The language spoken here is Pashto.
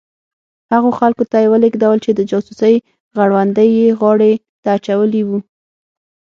هغو خلکو ته یې ولېږو چې د جاسوسۍ غړوندی یې غاړې ته اچولي وو.